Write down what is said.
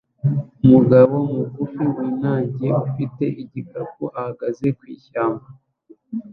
Umugabo mugufi winangiye ufite igikapu ahagaze mwishyamba